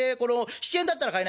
７円だったら買えない。